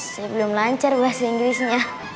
saya belum lancar bahasa inggrisnya